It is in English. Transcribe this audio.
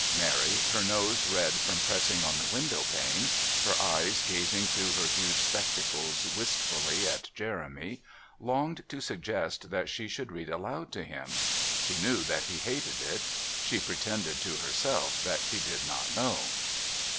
Mary, her nose red from pressing on the window pane, her eyes gazing through her huge spectacles wistfully at Jeremy, longed to suggest that she should read aloud to him. She knew that he hated it; she pretended to herself that she did not know.